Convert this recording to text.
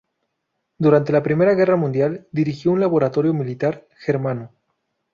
Durante la primera guerra mundial, dirigió un laboratorio militar germano.